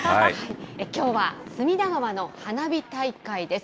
きょうは隅田川の花火大会です。